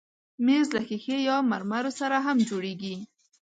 مېز له ښیښې یا مرمرو سره هم جوړېږي.